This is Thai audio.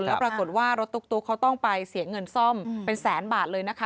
แล้วปรากฏว่ารถตุ๊กเขาต้องไปเสียเงินซ่อมเป็นแสนบาทเลยนะคะ